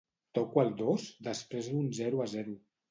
Toco el dos després d'un zero a zero.